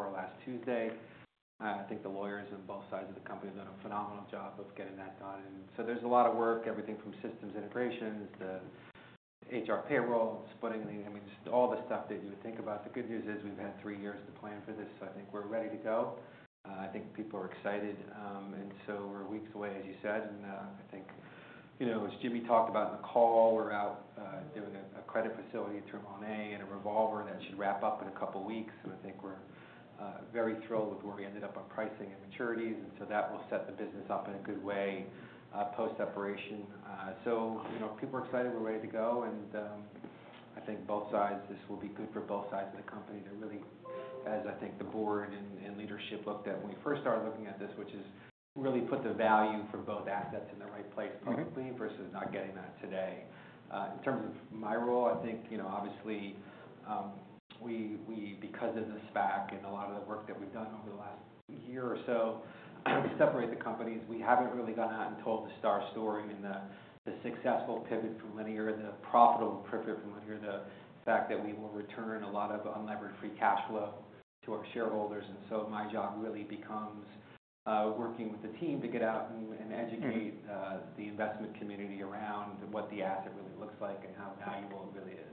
For last Tuesday. I think the lawyers on both sides of the company have done a phenomenal job of getting that done, and so there's a lot of work, everything from systems integrations to HR payroll, splitting the, I mean, just all the stuff that you would think about. The good news is we've had three years to plan for this, so I think we're ready to go. I think people are excited, and so we're weeks away, as you said, and I think, you know, as Jimmy talked about in the call, we're out doing a credit facility through notes and a revolver that should wrap up in a couple weeks, and I think we're very thrilled with where we ended up on pricing and maturities, and so that will set the business up in a good way, post-separation, so you know, people are excited. We're ready to go. I think both sides—this will be good for both sides of the company. There really has, I think, the board and leadership looked at when we first started looking at this, which is really put the value for both assets in the right place perfectly versus not getting that today. In terms of my role, I think, you know, obviously, we—because of the SPAC and a lot of the work that we've done over the last year or so, I would separate the companies. We haven't really gone out and told the STARZ story and the successful pivot from linear and the profitable pivot from linear, the fact that we will return a lot of unlevered free cash flow to our shareholders. My job really becomes working with the team to get out and educate the investment community around what the asset really looks like and how valuable it really is.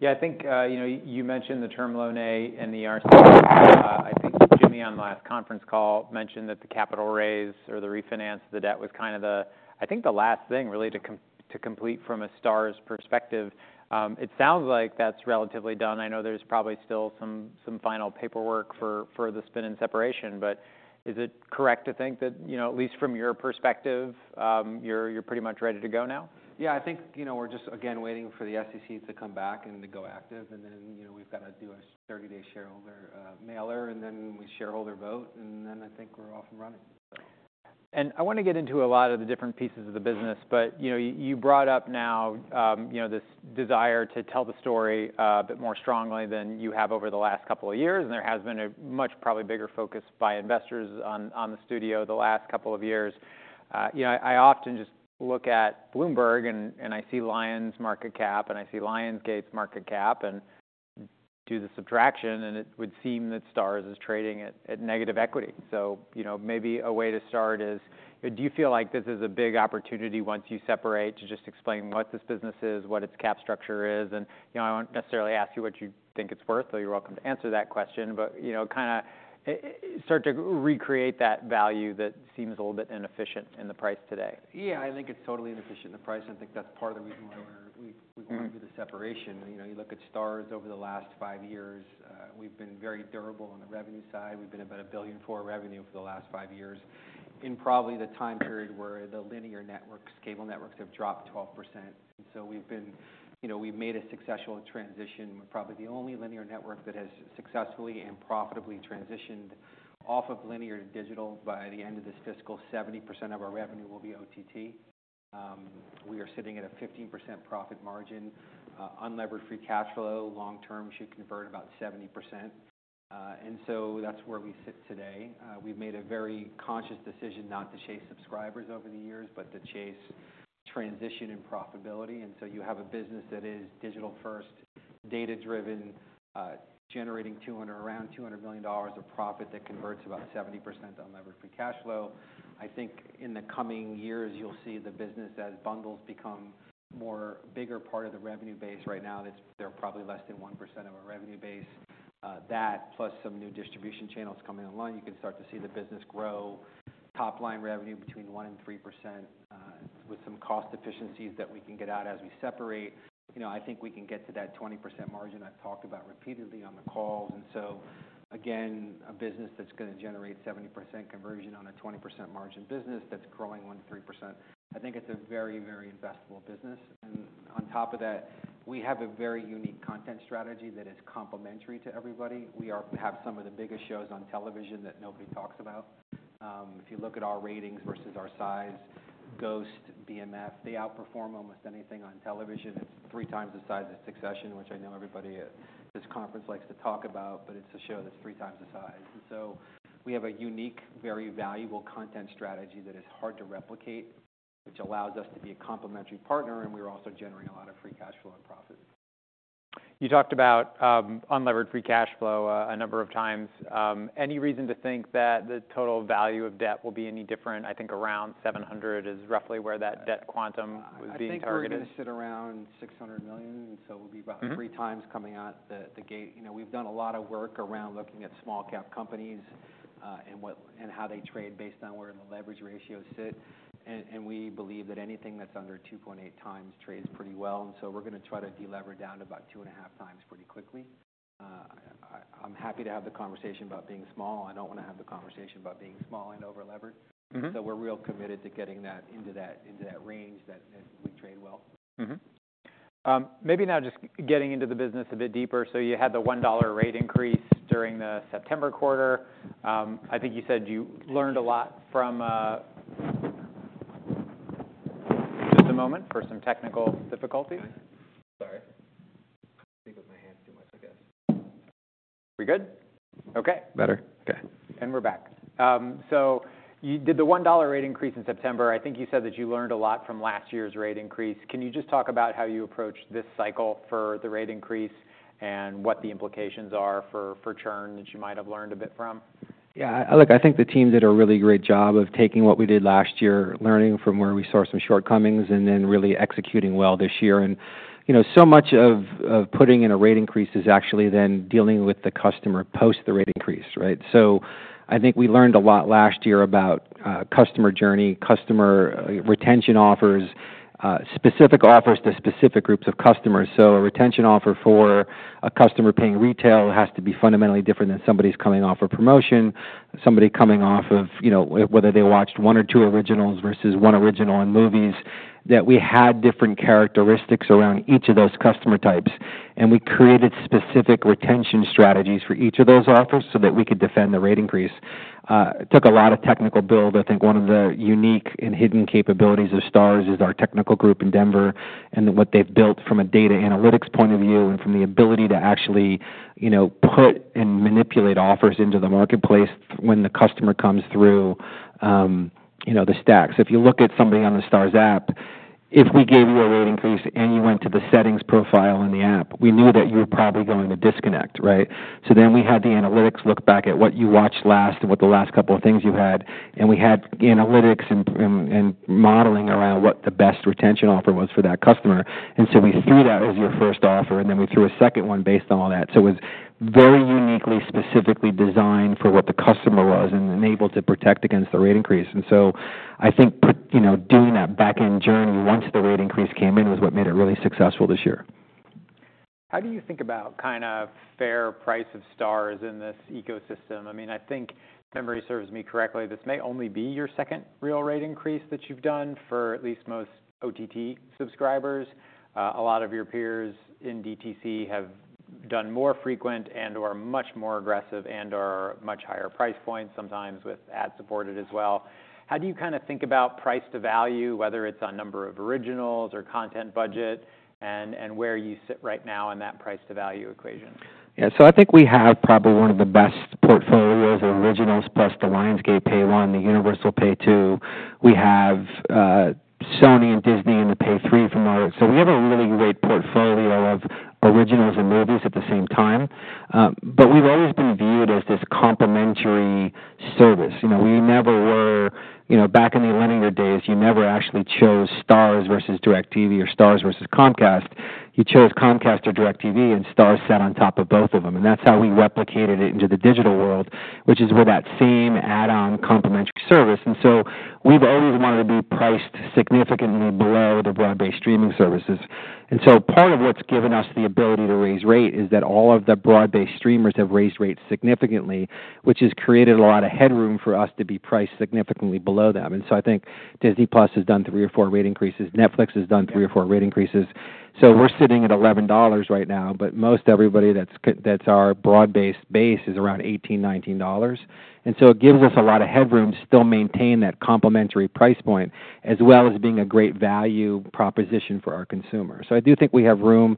Yeah. I think, you know, you mentioned the Term Loan A and the RCA. I think Jimmy on the last conference call mentioned that the capital raise or the refinance of the debt was kind of the, I think, the last thing really to come to complete from a STARZ's perspective. It sounds like that's relatively done. I know there's probably still some, some final paperwork for, for the spin and separation, but is it correct to think that, you know, at least from your perspective, you're, you're pretty much ready to go now? Yeah. I think, you know, we're just, again, waiting for the SEC to come back and to go active, and then, you know, we've got to do a 30-day shareholder mailer, and then we shareholder vote, and then I think we're off and running, so. And I want to get into a lot of the different pieces of the business, but, you know, you brought up now, you know, this desire to tell the story, a bit more strongly than you have over the last couple of years. There has been a much probably bigger focus by investors on the studio the last couple of years. You know, I often just look at Bloomberg and I see Lionsgate market cap and I see Lionsgate's market cap and do the subtraction, and it would seem that STARZ is trading at negative equity. So, you know, maybe a way to start is, you know, do you feel like this is a big opportunity once you separate to just explain what this business is, what its capital structure is? You know, I won't necessarily ask you what you think it's worth, though you're welcome to answer that question, but, you know, kind of, start to recreate that value that seems a little bit inefficient in the price today. Yeah. I think it's totally inefficient in the price. I think that's part of the reason why we want to do the separation. You know, you look at STARZ over the last five years, we've been very durable on the revenue side. We've been about $1 billion for revenue for the last five years in probably the time period where the linear networks, cable networks have dropped 12%. And so we've been, you know, we've made a successful transition. We're probably the only linear network that has successfully and profitably transitioned off of linear to digital by the end of this fiscal. 70% of our revenue will be OTT. We are sitting at a 15% profit margin. Unlevered free cash flow long-term should convert about 70%. And so that's where we sit today. We've made a very conscious decision not to chase subscribers over the years, but to chase transition and profitability. And so you have a business that is digital-first, data-driven, generating around $200 million of profit that converts about 70% unlevered free cash flow. I think in the coming years you'll see the business as bundles become more bigger part of the revenue base right now. That's, there are probably less than 1% of our revenue base. That plus some new distribution channels coming online, you can start to see the business grow top-line revenue between 1%-3%, with some cost efficiencies that we can get out as we separate. You know, I think we can get to that 20% margin I've talked about repeatedly on the calls. And so, again, a business that's going to generate 70% conversion on a 20% margin business that's growing 1%-3%. I think it's a very, very investable business. And on top of that, we have a very unique content strategy that is complementary to everybody. We have some of the biggest shows on television that nobody talks about. If you look at our ratings versus our size, Ghost, BMF, they outperform almost anything on television. It's three times the size of Succession, which I know everybody at this conference likes to talk about, but it's a show that's three times the size. And so we have a unique, very valuable content strategy that is hard to replicate, which allows us to be a complementary partner, and we're also generating a lot of free cash flow and profit. You talked about unlevered free cash flow a number of times. Any reason to think that the total value of debt will be any different? I think around 700 is roughly where that debt quantum was being targeted. I think we're going to sit around $600 million, and so it will be about three times coming out the gate. You know, we've done a lot of work around looking at small-cap companies, and what and how they trade based on where the leverage ratios sit. And we believe that anything that's under 2.8x trades pretty well. And so we're going to try to deleverage down to about two and a half times pretty quickly. I'm happy to have the conversation about being small. I don't want to have the conversation about being small and over-levered. We're real committed to getting that into that range that we trade well. Maybe now just getting into the business a bit deeper. So you had the $1 rate increase during the September quarter. I think you said you learned a lot from, just a moment for some technical difficulties. Sorry. I'm speaking with my hands too much, I guess. We good? Okay. Better. Okay. And we're back. So you did the $1 rate increase in September. I think you said that you learned a lot from last year's rate increase. Can you just talk about how you approached this cycle for the rate increase and what the implications are for churn that you might have learned a bit from? Yeah. I look, I think the team did a really great job of taking what we did last year, learning from where we saw some shortcomings, and then really executing well this year, and you know, so much of putting in a rate increase is actually then dealing with the customer post the rate increase, right, so I think we learned a lot last year about customer journey, customer retention offers, specific offers to specific groups of customers, so a retention offer for a customer paying retail has to be fundamentally different than somebody's coming off a promotion, somebody coming off of, you know, whether they watched one or two originals versus one original in movies, that we had different characteristics around each of those customer types, and we created specific retention strategies for each of those offers so that we could defend the rate increase. It took a lot of technical build. I think one of the unique and hidden capabilities of STARZ is our technical group in Denver and what they've built from a data analytics point of view and from the ability to actually, you know, put and manipulate offers into the marketplace when the customer comes through, you know, the stacks. If you look at somebody on the STARZ app, if we gave you a rate increase and you went to the settings profile in the app, we knew that you were probably going to disconnect, right? So then we had the analytics look back at what you watched last and what the last couple of things you had. And we had analytics and modeling around what the best retention offer was for that customer. And so we threw that as your first offer, and then we threw a second one based on all that. So it was very uniquely, specifically designed for what the customer was and enabled to protect against the rate increase. And so I think, you know, doing that back-end journey once the rate increase came in was what made it really successful this year. How do you think about kind of fair price of STARZ in this ecosystem? I mean, I think, if memory serves me correctly, this may only be your second real rate increase that you've done for at least most OTT subscribers. A lot of your peers in DTC have done more frequent and/or much more aggressive and/or much higher price points sometimes with ad supported as well. How do you kind of think about price to value, whether it's on number of originals or content budget and, and where you sit right now in that price to value equation? Yeah. So I think we have probably one of the best portfolios of originals plus the Lionsgate Pay-1, the Universal Pay-2. We have Sony and Disney and the Pay-3 from our—so we have a really great portfolio of originals and movies at the same time. But we've always been viewed as this complementary service. You know, we never were, you know, back in the linear days, you never actually chose STARZ versus DIRECTV or STARZ versus Comcast. You chose Comcast or DIRECTV, and STARZ sat on top of both of them. And that's how we replicated it into the digital world, which is with that same add-on complementary service. And so we've always wanted to be priced significantly below the broad-based streaming services. And so part of what's given us the ability to raise rate is that all of the broad-based streamers have raised rates significantly, which has created a lot of headroom for us to be priced significantly below them. And so I think Disney+ has done three or four rate increases. Netflix has done three or four rate increases. So we're sitting at $11 right now, but most everybody that's our broad-based base is around $18, $19. And so it gives us a lot of headroom to still maintain that complementary price point as well as being a great value proposition for our consumers. So I do think we have room.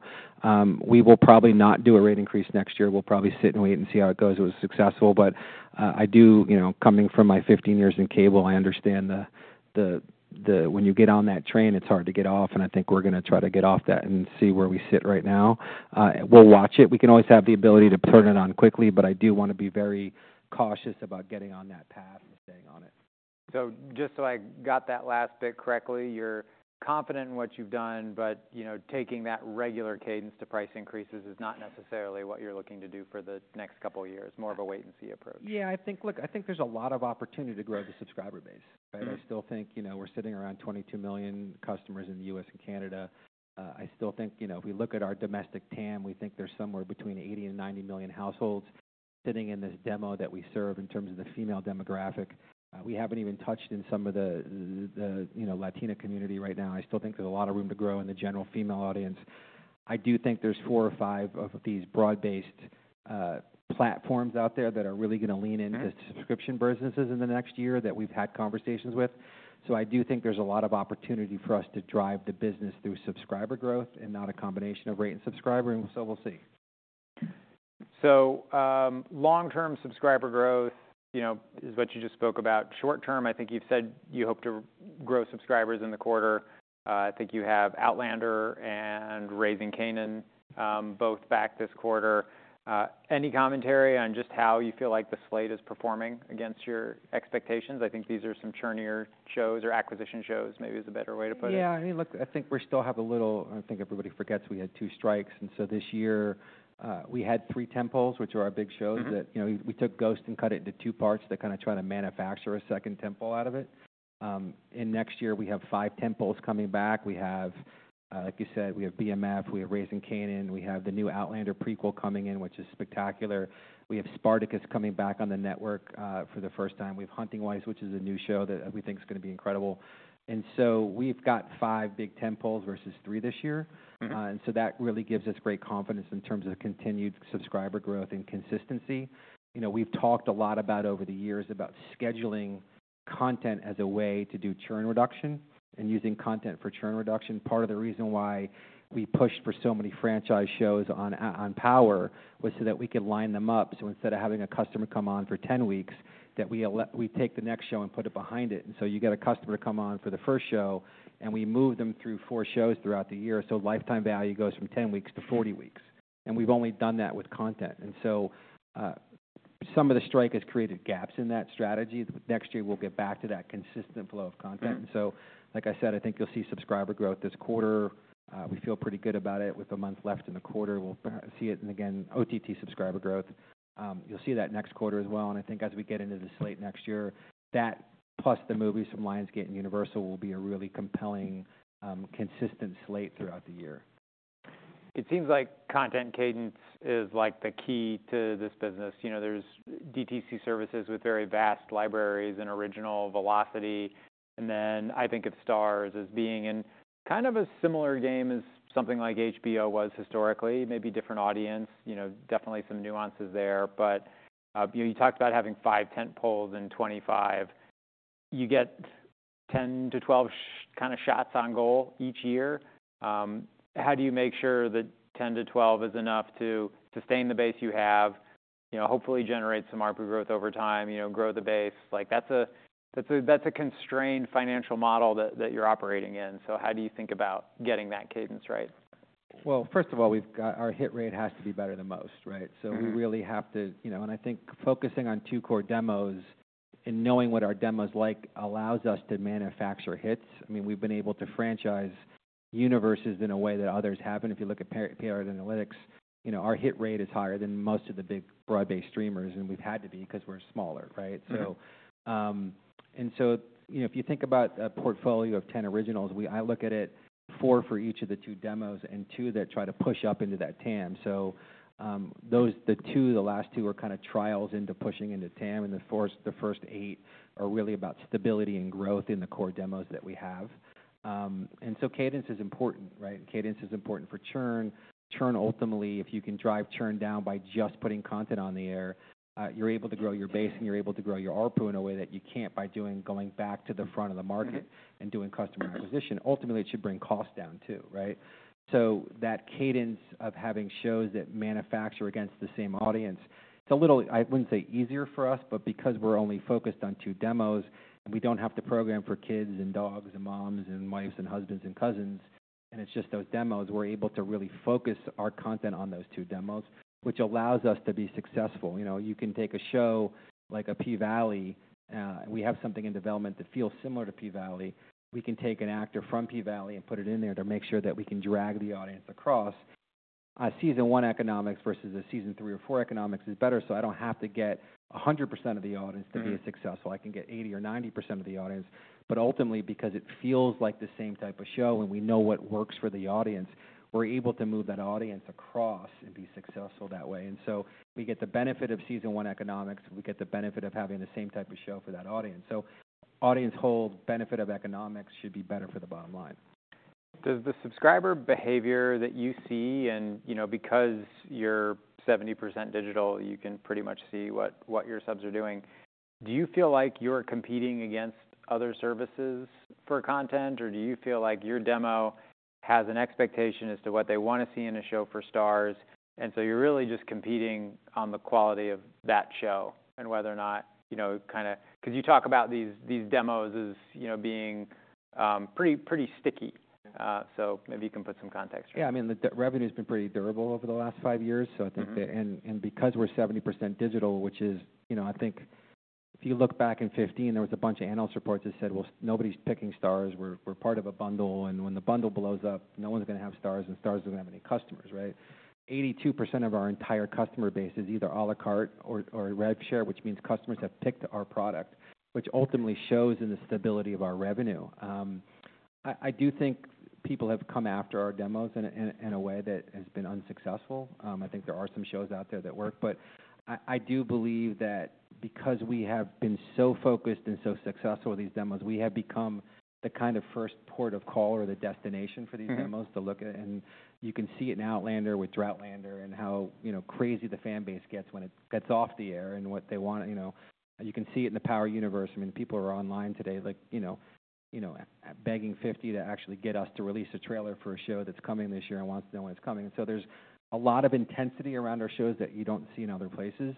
We will probably not do a rate increase next year. We'll probably sit and wait and see how it goes if it was successful. But I do, you know, coming from my 15 years in cable, I understand the when you get on that train. It's hard to get off. And I think we're going to try to get off that and see where we sit right now. We'll watch it. We can always have the ability to turn it on quickly, but I do want to be very cautious about getting on that path and staying on it. So just so I got that last bit correctly, you're confident in what you've done, but, you know, taking that regular cadence to price increases is not necessarily what you're looking to do for the next couple of years, more of a wait-and-see approach. Yeah. I think, look, I think there's a lot of opportunity to grow the subscriber base, right? I still think, you know, we're sitting around 22 million customers in the U.S. and Canada. I still think, you know, if we look at our domestic TAM, we think there's somewhere between 80 and 90 million households sitting in this demo that we serve in terms of the female demographic. We haven't even touched in some of the, you know, Latina community right now. I still think there's a lot of room to grow in the general female audience. I do think there's four or five of these broad-based platforms out there that are really going to lean into subscription businesses in the next year that we've had conversations with. So I do think there's a lot of opportunity for us to drive the business through subscriber growth and not a combination of rate and subscriber. And so we'll see. So, long-term subscriber growth, you know, is what you just spoke about. Short-term, I think you've said you hope to grow subscribers in the quarter. I think you have Outlander and Raising Kanan, both back this quarter. Any commentary on just how you feel like the slate is performing against your expectations? I think these are some churnier shows or acquisition shows, maybe is a better way to put it. Yeah. I mean, look, I think we still have a little, I think everybody forgets we had two strikes. And so this year, we had three tentpoles, which are our big shows that, you know, we took Ghost and cut it into two parts to kind of try to manufacture a second tentpole out of it. And next year we have five tentpoles coming back. We have, like you said, we have BMF, we have Raising Kanan, we have the new Outlander prequel coming in, which is spectacular. We have Spartacus coming back on the network, for the first time. We have Hunting Wives, which is a new show that we think is going to be incredible. And so we've got five big tentpoles versus three this year. And so that really gives us great confidence in terms of continued subscriber growth and consistency. You know, we've talked a lot about over the years about scheduling content as a way to do churn reduction and using content for churn reduction. Part of the reason why we pushed for so many franchise shows on, on Power was so that we could line them up, so instead of having a customer come on for 10 weeks, that we allow, we take the next show and put it behind it, and so you get a customer to come on for the first show, and we move them through four shows throughout the year, so lifetime value goes from 10 weeks to 40 weeks, and we've only done that with content, and so, some of the strike has created gaps in that strategy. Next year, we'll get back to that consistent flow of content, and so, like I said, I think you'll see subscriber growth this quarter. We feel pretty good about it. With a month left in the quarter, we'll see it. And again, OTT subscriber growth, you'll see that next quarter as well. And I think as we get into the slate next year, that plus the movies from Lionsgate and Universal will be a really compelling, consistent slate throughout the year. It seems like content cadence is like the key to this business. You know, there's DTC services with very vast libraries and original velocity. And then I think of STARZ as being in kind of a similar game as something like HBO was historically, maybe different audience, you know, definitely some nuances there. But, you know, you talked about having five tent poles and 25. You get 10-12 kind of shots on goal each year. How do you make sure that 10-12 is enough to sustain the base you have, you know, hopefully generate some ARPU growth over time, you know, grow the base? Like that's a constrained financial model that you're operating in. So how do you think about getting that cadence right? First of all, we've got our hit rate has to be better than most, right? So we really have to, you know, and I think focusing on two core demos and knowing what our demo's like allows us to manufacture hits. I mean, we've been able to franchise universes in a way that others haven't. If you look at Parrot Analytics, you know, our hit rate is higher than most of the big broad-based streamers, and we've had to be because we're smaller, right? So, and so, you know, if you think about a portfolio of 10 originals, we, I look at it four for each of the two demos and two that try to push up into that TAM. Those, the two, the last two are kind of trials into pushing into TAM, and the first eight are really about stability and growth in the core demos that we have. Cadence is important, right? Cadence is important for churn. Churn ultimately, if you can drive churn down by just putting content on the air, you're able to grow your base and you're able to grow your ARPU in a way that you can't by going back to the front of the market and doing customer acquisition. Ultimately, it should bring costs down too, right? That cadence of having shows that manufacture against the same audience, it's a little, I wouldn't say easier for us, but because we're only focused on two demos and we don't have to program for kids and dogs and moms and wives and husbands and cousins, and it's just those demos, we're able to really focus our content on those two demos, which allows us to be successful. You know, you can take a show like P-Valley, and we have something in development that feels similar to P-Valley. We can take an actor from P-Valley and put it in there to make sure that we can drag the audience across. Season one economics versus a season three or four economics is better. I don't have to get 100% of the audience to be successful. I can get 80% or 90% of the audience. But ultimately, because it feels like the same type of show and we know what works for the audience, we're able to move that audience across and be successful that way. And so we get the benefit of season one economics. We get the benefit of having the same type of show for that audience. So, audience hold, benefit of economics should be better for the bottom line. Does the subscriber behavior that you see and, you know, because you're 70% digital, you can pretty much see what your subs are doing? Do you feel like you're competing against other services for content, or do you feel like your demo has an expectation as to what they want to see in a show for STARZ? And so you're really just competing on the quality of that show and whether or not, you know, kind of, because you talk about these demos as, you know, being pretty sticky. So maybe you can put some context for me. Yeah. I mean, the revenue has been pretty durable over the last five years. So I think that and because we're 70% digital, which is, you know, I think if you look back in 2015, there was a bunch of analyst reports that said, well, nobody's picking STARZ. We're part of a bundle. And when the bundle blows up, no one's going to have STARZ and STARZ isn't going to have any customers, right? 82% of our entire customer base is either à la carte or reshare, which means customers have picked our product, which ultimately shows in the stability of our revenue. I do think people have come after our demos in a way that has been unsuccessful. I think there are some shows out there that work, but I do believe that because we have been so focused and so successful with these demos, we have become the kind of first port of call or the destination for these demos to look at, and you can see it in Outlander with Droughtlander and how, you know, crazy the fan base gets when it gets off the air and what they want. You know, you can see it in the Power universe. I mean, people are online today, like, you know, begging 50 to actually get us to release a trailer for a show that's coming this year and wants to know when it's coming. And so there's a lot of intensity around our shows that you don't see in other places.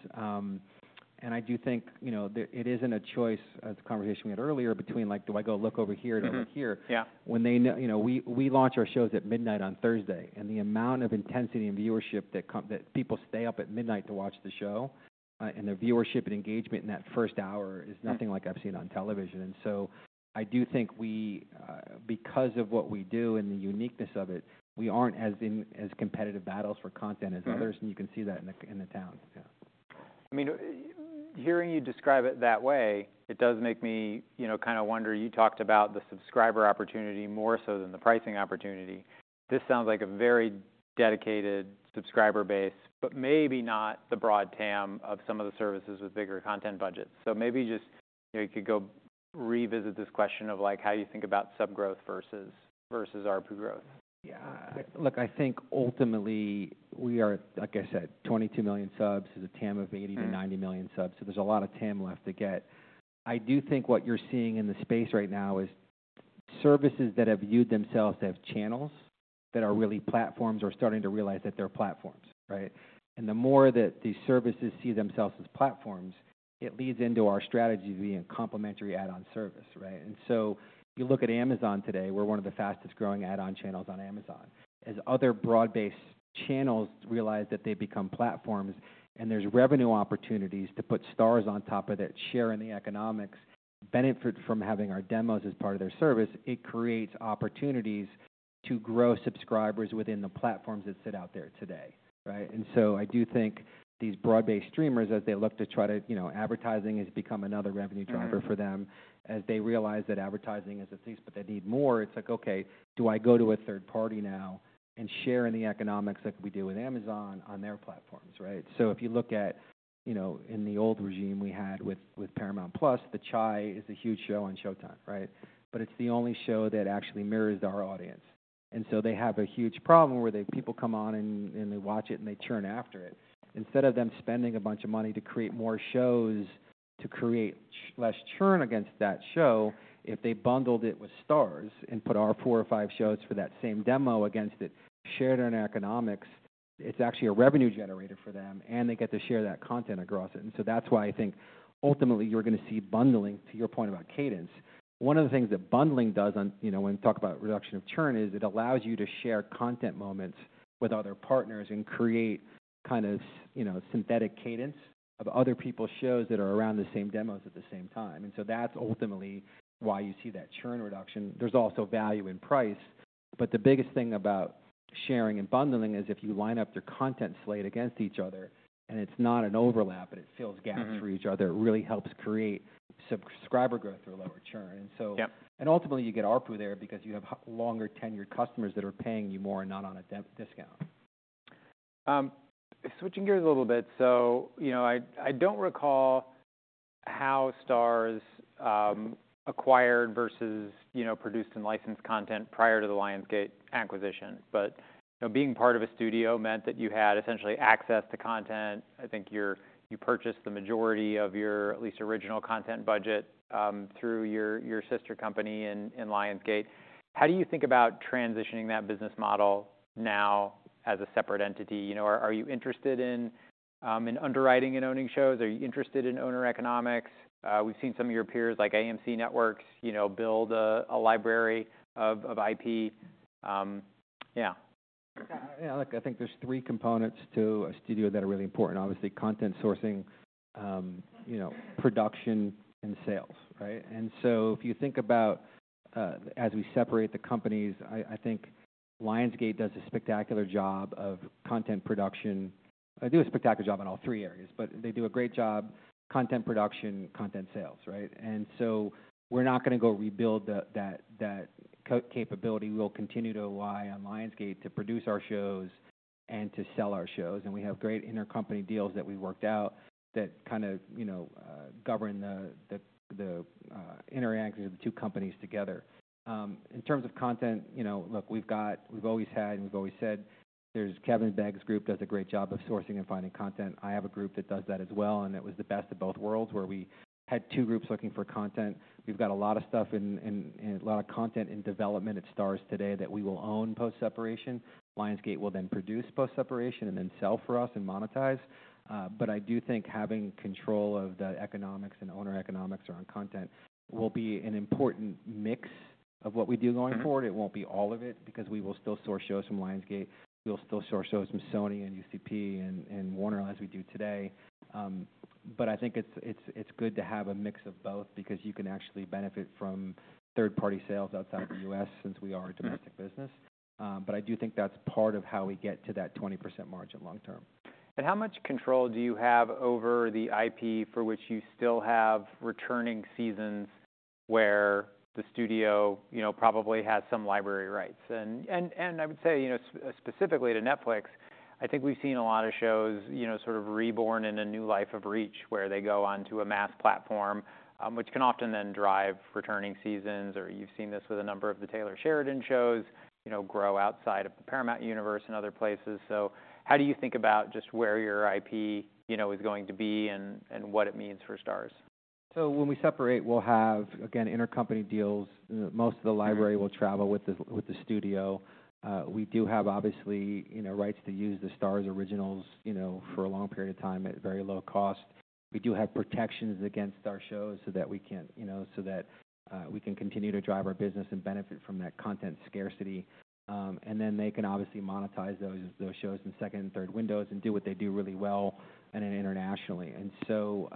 And I do think, you know, it isn't a choice, as the conversation we had earlier, between like, do I go look over here and over here? When they, you know, we launch our shows at midnight on Thursday, and the amount of intensity and viewership that come, that people stay up at midnight to watch the show, and the viewership and engagement in that first hour is nothing like I've seen on television. And so I do think we, because of what we do and the uniqueness of it, we aren't as in as competitive battles for content as others. And you can see that in the town. Yeah. I mean, hearing you describe it that way, it does make me, you know, kind of wonder. You talked about the subscriber opportunity more so than the pricing opportunity. This sounds like a very dedicated subscriber base, but maybe not the broad TAM of some of the services with bigger content budgets. So maybe just, you know, you could go revisit this question of like how you think about sub growth versus ARPU growth. Yeah. Look, I think ultimately we are, like I said, 22 million subs is a TAM of 80-90 million subs. So there's a lot of TAM left to get. I do think what you're seeing in the space right now is services that have viewed themselves to have channels that are really platforms are starting to realize that they're platforms, right? And the more that these services see themselves as platforms, it leads into our strategy to be a complementary add-on service, right? And so you look at Amazon today, we're one of the fastest growing add-on channels on Amazon. As other broad-based channels realize that they become platforms and there's revenue opportunities to put STARZ on top of that share in the economics, benefit from having our demos as part of their service, it creates opportunities to grow subscribers within the platforms that sit out there today, right? And so I do think these broad-based streamers, as they look to try to, you know, advertising has become another revenue driver for them as they realize that advertising is a thief, but they need more. It's like, okay, do I go to a third party now and share in the economics that we do with Amazon on their platforms, right? So if you look at, you know, in the old regime we had with, with Paramount+, The Chi is a huge show on Showtime, right? But it's the only show that actually mirrors our audience. And so they have a huge problem where people come on and they watch it and they churn after it. Instead of them spending a bunch of money to create more shows to create less churn against that show, if they bundled it with STARZ and put our four or five shows for that same demo against it, shared in our economics, it is actually a revenue generator for them and they get to share that content across it. And so that is why I think ultimately you are going to see bundling to your point about cadence. One of the things that bundling does, you know, when we talk about reduction of churn is it allows you to share content moments with other partners and create kind of, you know, synthetic cadence of other people's shows that are around the same demos at the same time. And so that's ultimately why you see that churn reduction. There's also value in price, but the biggest thing about sharing and bundling is if you line up your content slate against each other and it's not an overlap, but it fills gaps for each other, it really helps create subscriber growth through lower churn. And so ultimately you get ARPU there because you have longer tenured customers that are paying you more and not on a discount. Switching gears a little bit. So, you know, I don't recall how STARZ acquired versus produced and licensed content prior to the Lionsgate acquisition, but, you know, being part of a studio meant that you had essentially access to content. I think you purchased the majority of your at least original content budget through your sister company in Lionsgate. How do you think about transitioning that business model now as a separate entity? You know, are you interested in underwriting and owning shows? Are you interested in owner economics? We've seen some of your peers like AMC Networks, you know, build a library of IP. Yeah. Yeah. Look, I think there's three components to a studio that are really important. Obviously, content sourcing, you know, production and sales, right? And so if you think about, as we separate the companies, I think Lionsgate does a spectacular job of content production. They do a spectacular job in all three areas, but they do a great job content production, content sales, right? And so we're not going to go rebuild that capability. We'll continue to rely on Lionsgate to produce our shows and to sell our shows. And we have great intercompany deals that we've worked out that kind of, you know, govern the interaction of the two companies together. In terms of content, you know, look, we've got, we've always had, and we've always said there's Kevin Beggs's group does a great job of sourcing and finding content. I have a group that does that as well. And it was the best of both worlds where we had two groups looking for content. We've got a lot of stuff in a lot of content in development at STARZ today that we will own post-separation. Lionsgate will then produce post-separation and then sell for us and monetize, but I do think having control of the economics and our economics around content will be an important mix of what we do going forward. It won't be all of it because we will still source shows from Lionsgate. We'll still source shows from Sony and UCP and Warner as we do today. But I think it's good to have a mix of both because you can actually benefit from third-party sales outside the U.S. since we are a domestic business. But I do think that's part of how we get to that 20% margin long term. And how much control do you have over the IP for which you still have returning seasons where the studio, you know, probably has some library rights? And I would say, you know, specifically to Netflix, I think we've seen a lot of shows, you know, sort of reborn in a new life of reach where they go onto a mass platform, which can often then drive returning seasons, or you've seen this with a number of the Taylor Sheridan shows, you know, grow outside of the Paramount universe and other places. So how do you think about just where your IP, you know, is going to be and what it means for STARZ? So when we separate, we'll have again intercompany deals. Most of the library will travel with the studio. We do have obviously, you know, rights to use the STARZ originals, you know, for a long period of time at very low cost. We do have protections against our shows so that we can, you know, continue to drive our business and benefit from that content scarcity. And then they can obviously monetize those shows in second and third windows and do what they do really well and then internationally. And so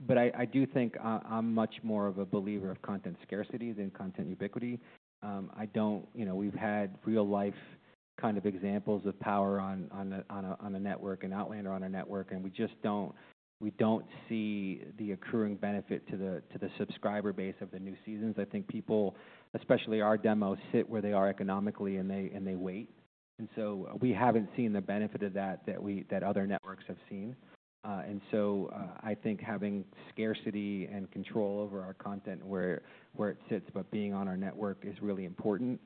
but I do think I'm much more of a believer of content scarcity than content ubiquity. I don't, you know, we've had real-life kind of examples of Power on a network and Outlander on a network. And we just don't, we don't see the accruing benefit to the subscriber base of the new seasons. I think people, especially our demos, sit where they are economically and they wait. And so we haven't seen the benefit of that that other networks have seen. And so, I think having scarcity and control over our content where, where it sits, but being on our network is really important.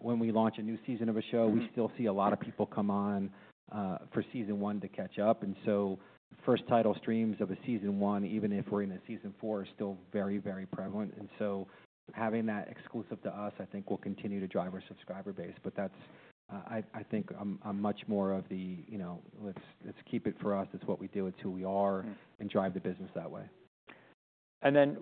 When we launch a new season of a show, we still see a lot of people come on for season one to catch up. And so first title streams of a season one, even if we're in a season four, are still very, very prevalent. And so having that exclusive to us, I think will continue to drive our subscriber base. But that's. I think I'm much more of the, you know, let's keep it for us. It's what we do. It's who we are and drive the business that way.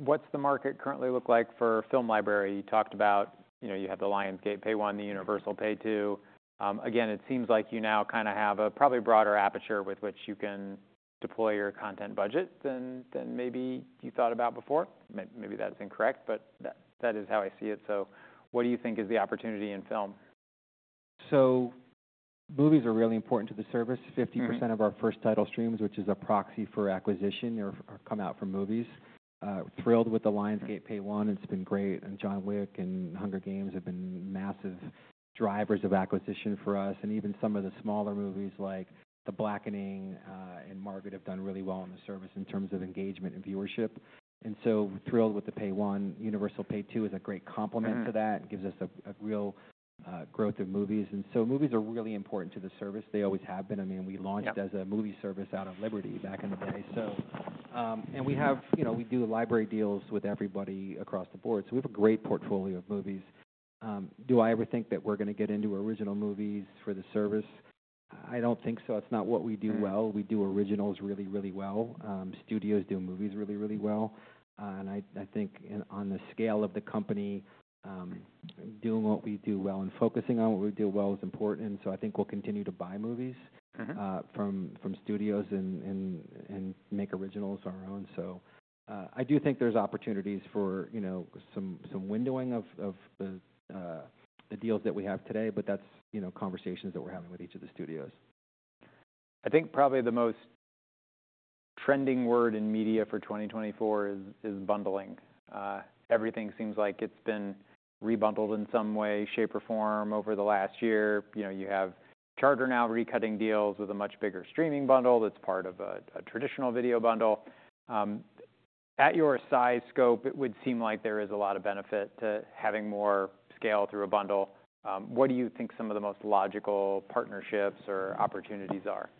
What's the market currently look like for film library? You talked about, you know, you have the Lionsgate Pay-1, the Universal Pay-2. Again, it seems like you now kind of have a probably broader aperture with which you can deploy your content budget than maybe you thought about before. Maybe that's incorrect, but that is how I see it. What do you think is the opportunity in film? Movies are really important to the service. 50% of our first title streams, which is a proxy for acquisition, are come out from movies. Thrilled with the Lionsgate Pay-1 It's been great. John Wick and Hunger Games have been massive drivers of acquisition for us. Even some of the smaller movies like The Blackening and Margaret have done really well in the service in terms of engagement and viewership. Thrilled with the Pay-1. Universal Pay-2 is a great complement to that. It gives us a real growth of movies. Movies are really important to the service. They always have been. I mean, we launched as a movie service out of Liberty back in the day. We have, you know, we do library deals with everybody across the board. We have a great portfolio of movies. Do I ever think that we're going to get into original movies for the service? I don't think so. It's not what we do well. We do originals really, really well. Studios do movies really, really well. And I think on the scale of the company, doing what we do well and focusing on what we do well is important. And so I think we'll continue to buy movies from studios and make originals of our own. So, I do think there's opportunities for, you know, some windowing of the deals that we have today, but that's, you know, conversations that we're having with each of the studios. I think probably the most trending word in media for 2024 is bundling. Everything seems like it's been rebundled in some way, shape, or form over the last year. You know, you have Charter now recutting deals with a much bigger streaming bundle that's part of a traditional video bundle. At your size scope, it would seem like there is a lot of benefit to having more scale through a bundle. What do you think some of the most logical partnerships or opportunities are?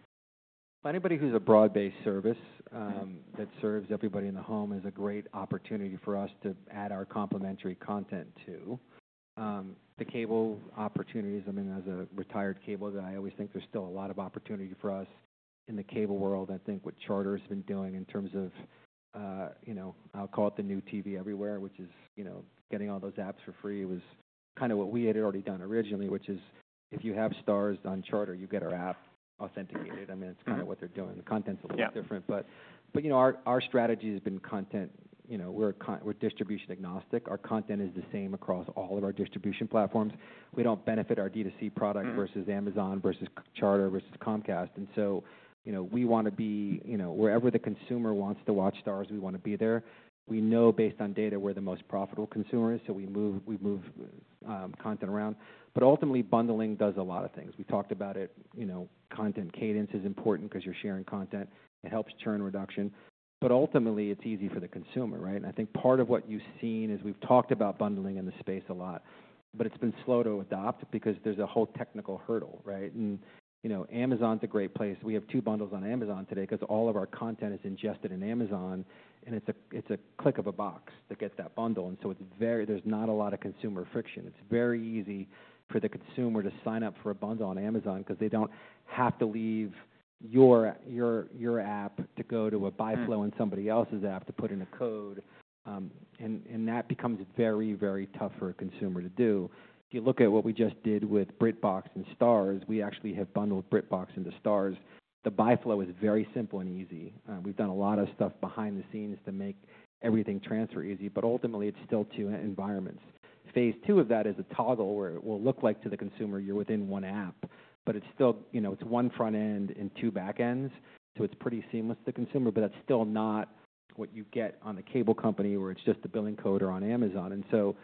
Anybody who's a broad-based service that serves everybody in the home is a great opportunity for us to add our complementary content to. The cable opportunities, I mean, as a retired cable guy, I always think there's still a lot of opportunity for us in the cable world. I think what Charter has been doing in terms of, you know, I'll call it the new TV everywhere, which is, you know, getting all those apps for free was kind of what we had already done originally, which is if you have STARZ on Charter, you get our app authenticated. I mean, it's kind of what they're doing. The content's a little different. But you know, our strategy has been content, you know, we're distribution agnostic. Our content is the same across all of our distribution platforms. We don't benefit our D2C product versus Amazon versus Charter versus Comcast. And so, you know, we want to be, you know, wherever the consumer wants to watch STARZ, we want to be there. We know based on data where the most profitable consumer is. So we move content around. But ultimately, bundling does a lot of things. We talked about it, you know, content cadence is important because you're sharing content. It helps churn reduction. But ultimately, it's easy for the consumer, right? And I think part of what you've seen is we've talked about bundling in the space a lot, but it's been slow to adopt because there's a whole technical hurdle, right? And, you know, Amazon's a great place. We have two bundles on Amazon today because all of our content is ingested in Amazon and it's a click of a box to get that bundle, and so it's very, there's not a lot of consumer friction. It's very easy for the consumer to sign up for a bundle on Amazon because they don't have to leave your app to go to a BuyFlow and somebody else's app to put in a code, and that becomes very, very tough for a consumer to do. If you look at what we just did with BritBox and STARZ, we actually have bundled BritBox into STARZ. The BuyFlow is very simple and easy. We've done a lot of stuff behind the scenes to make everything transfer easy, but ultimately it's still two environments. Phase two of that is a toggle where it will look like to the consumer you're within one app, but it's still, you know, it's one front end and two back ends. So it's pretty seamless to the consumer, but that's still not what you get on the cable company where it's just a billing code or on Amazon, and so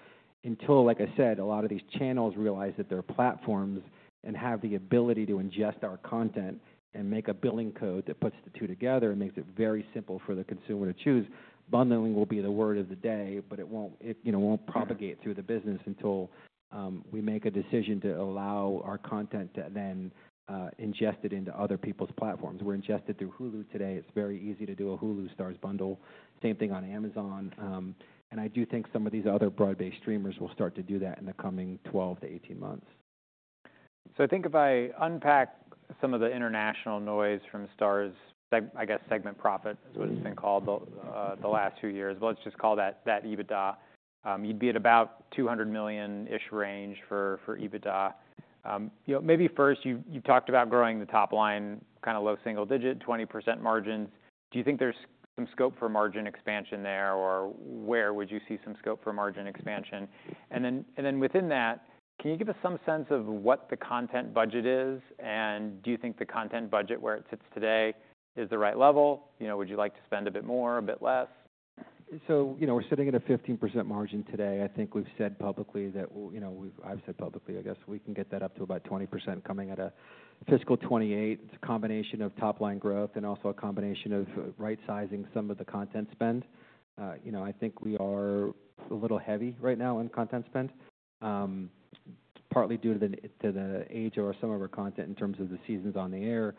until, like I said, a lot of these channels realize that they're platforms and have the ability to ingest our content and make a billing code that puts the two together and makes it very simple for the consumer to choose, bundling will be the word of the day, but it won't, it, you know, won't propagate through the business until we make a decision to allow our content to then ingest it into other people's platforms. We're ingested through Hulu today. It's very easy to do a Hulu STARZ bundle. Same thing on Amazon, and I do think some of these other broad-based streamers will start to do that in the coming 12-18 months. I think if I unpack some of the international noise from STARZ, I guess segment profit is what it's been called the last two years, but let's just call that EBITDA. You'd be at about $200 million-ish range for EBITDA. You know, maybe first you've talked about growing the top line kind of low single digit, 20% margins. Do you think there's some scope for margin expansion there or where would you see some scope for margin expansion? And then within that, can you give us some sense of what the content budget is? And do you think the content budget where it sits today is the right level? You know, would you like to spend a bit more, a bit less? You know, we're sitting at a 15% margin today. I think we've said publicly that, you know, I've said publicly, I guess we can get that up to about 20% coming at a fiscal 2028. It's a combination of top line growth and also a combination of right-sizing some of the content spend. You know, I think we are a little heavy right now in content spend, partly due to the age or some of our content in terms of the seasons on the air,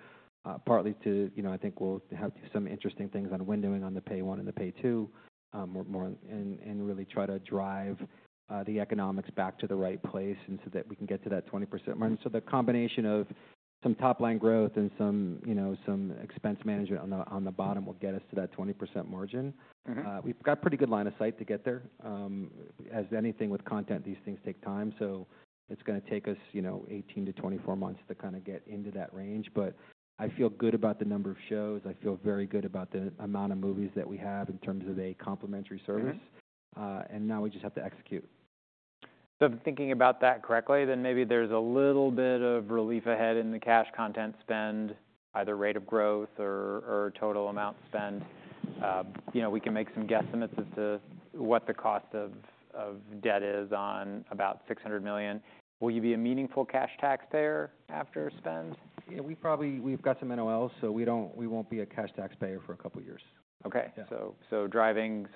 partly to, you know, I think we'll have to do some interesting things on windowing on the Pay-1 and the Pay-2, more and really try to drive the economics back to the right place and so that we can get to that 20% margin. So the combination of some top line growth and some, you know, some expense management on the, on the bottom will get us to that 20% margin. We've got a pretty good line of sight to get there. As anything with content, these things take time. So it's going to take us, you know, 18-24 months to kind of get into that range. But I feel good about the number of shows. I feel very good about the amount of movies that we have in terms of a complementary service. And now we just have to execute. So I'm thinking about that correctly, then maybe there's a little bit of relief ahead in the cash content spend, either rate of growth or total amount spend. You know, we can make some guesstimates as to what the cost of debt is on about $600 million. Will you be a meaningful cash taxpayer after spend? Yeah, we probably, we've got some NOLs, so we don't, we won't be a cash taxpayer for a couple of years. Okay. Driving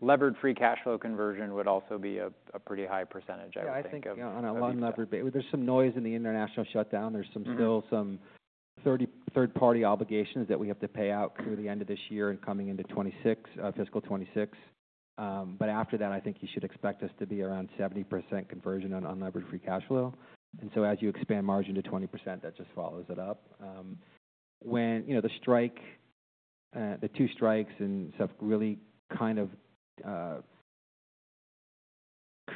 levered free cash flow conversion would also be a pretty high percentage, I would think. Yeah, I think on a levered basis, there's some noise in the international shutdown. There's still some third-party obligations that we have to pay out through the end of this year and coming into 2026, fiscal 2026, but after that, I think you should expect us to be around 70% conversion on unlevered free cash flow. And so as you expand margin to 20%, that just follows it up. When, you know, the strike, the two strikes and stuff really kind of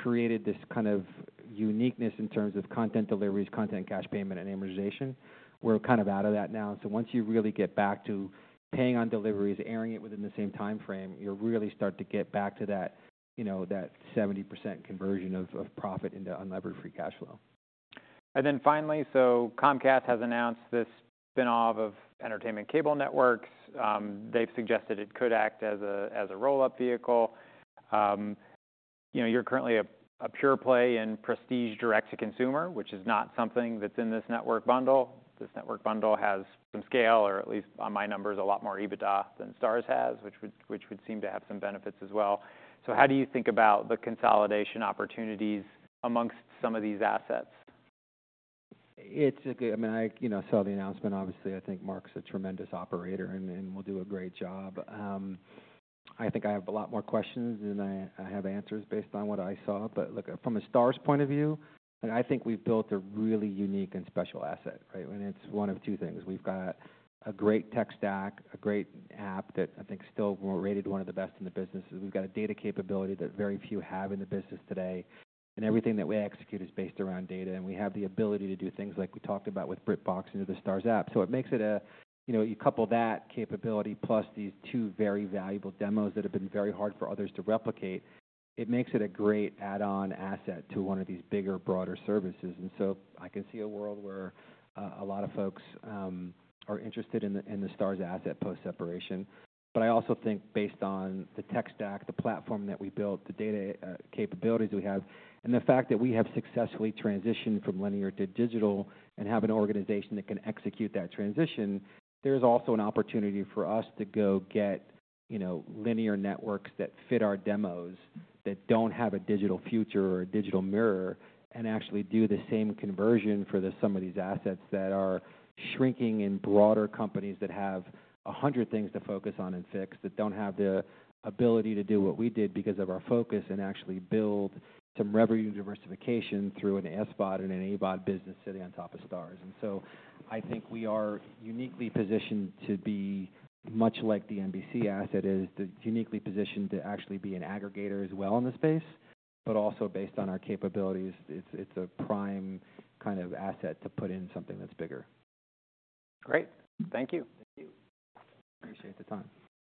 created this kind of uniqueness in terms of content deliveries, content cash payment, and amortization. We're kind of out of that now. So once you really get back to paying on deliveries, airing it within the same timeframe, you'll really start to get back to that, you know, that 70% conversion of profit into unlevered free cash flow. Comcast has announced this spinoff of Entertainment Cable Networks. They've suggested it could act as a roll-up vehicle. You know, you're currently a pure play in prestige direct to consumer, which is not something that's in this network bundle. This network bundle has some scale, or at least on my numbers, a lot more EBITDA than STARZ has, which would seem to have some benefits as well. So how do you think about the consolidation opportunities among some of these assets? It's a good, I mean, I you know, saw the announcement. Obviously, I think Mark's a tremendous operator and we'll do a great job. I think I have a lot more questions and I have answers based on what I saw. But look, from a STARZ point of view, I think we've built a really unique and special asset, right? And it's one of two things. We've got a great tech stack, a great app that I think still we're rated one of the best in the business. We've got a data capability that very few have in the business today. And everything that we execute is based around data. And we have the ability to do things like we talked about with BritBox into the STARZ app. So it makes it, you know, you couple that capability plus these two very valuable demos that have been very hard for others to replicate. It makes it a great add-on asset to one of these bigger, broader services. And so I can see a world where a lot of folks are interested in the STARZ asset post-separation. But I also think based on the tech stack, the platform that we built, the data, capabilities that we have, and the fact that we have successfully transitioned from linear to digital and have an organization that can execute that transition, there's also an opportunity for us to go get, you know, linear networks that fit our demos that don't have a digital future or a digital mirror and actually do the same conversion for some of these assets that are shrinking in broader companies that have a hundred things to focus on and fix that don't have the ability to do what we did because of our focus and actually build some revenue diversification through an SVOD and an AVOD business sitting on top of STARZ. And so I think we are uniquely positioned to be much like the NBC asset is, that's uniquely positioned to actually be an aggregator as well in the space, but also based on our capabilities, it's a prime kind of asset to put in something that's bigger. Great. Thank you. Thank you. Appreciate the time.